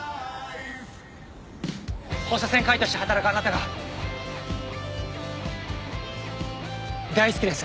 放射線科医として働くあなたが大好きです